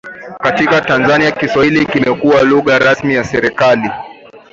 Katika Tanzania Kiswahili kimekuwa lugha rasmi ya serikali